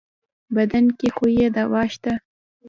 بدن کې خو يې دوا شته.